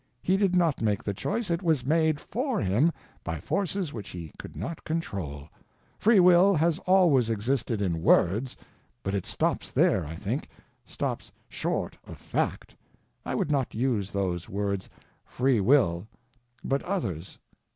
He did not make the choice, it was made _for _him by forces which he could not control. Free Will has always existed in words, but it stops there, I think—stops short of fact. I would not use those words—Free Will—but others.